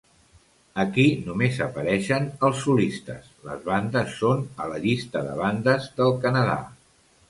Aquí només apareixen els solistes; les bandes són a la llista de bandes del Canadà.